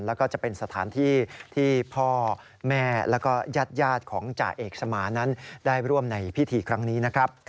แล้วก็จะเป็นสถานที่ที่พ่อแม่แล้วก็ญาติของจ่าเอกสมานนั้นได้ร่วมในพิธีครั้งนี้นะครับ